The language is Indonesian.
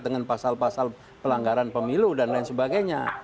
dengan pasal pasal pelanggaran pemilu dan lain sebagainya